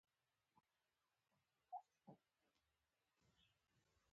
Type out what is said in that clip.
عسکر خپل ټوپک شاته واړاوه او زموږ غوټې یې را څخه واخیستې.